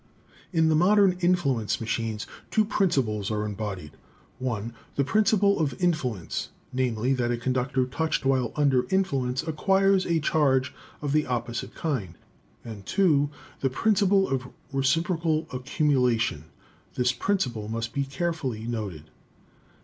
"In the modern influence machines two principles are embodied: (1) The principle of influence, namely, that a conductor touched while under influence acquires a charge of the opposite kind; (2) the principle of reciprocal ac cumulation. This principle must be carefully noted.